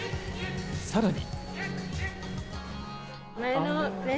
さらに。